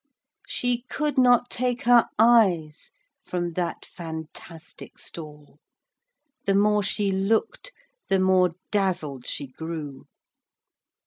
She could not take her eyes from that fantastic stall. The more she looked, the more dazzled she grew.